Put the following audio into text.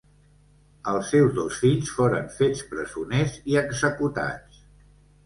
Els seus dos fills foren fets presoners i executats.